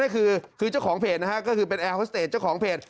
ก็คือเจ้าของเพจนะครับเป็นแอร์โฮสเตส